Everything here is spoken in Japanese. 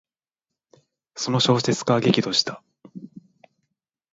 その小説家は激怒した。